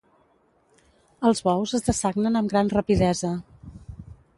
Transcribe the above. Els bous es dessagnen amb gran rapidesa.